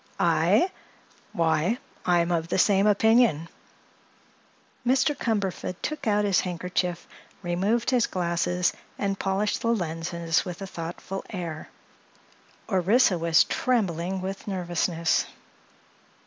"I? Why, I'm of the same opinion." Mr. Cumberford took out his handkerchief, removed his glasses and polished the lenses with a thoughtful air. Orissa was trembling with nervousness.